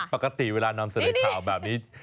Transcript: ปกติเวลานำเสนอข่าวแบบนี้